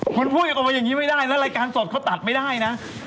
คุณพูดออกมาอย่างนี้ไม่ได้นะรายการสดเขาตัดไม่ได้นะ